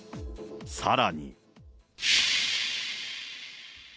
さらに。